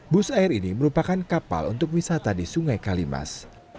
bus air ini merupakan kapal untuk wisata di sungai kalimas